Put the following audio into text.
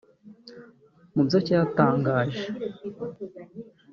Mu byo cyatangaje